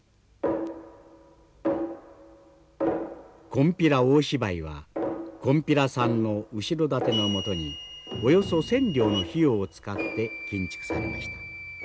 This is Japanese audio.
金毘羅大芝居はこんぴらさんの後ろ盾のもとにおよそ１，０００両の費用を使って建築されました。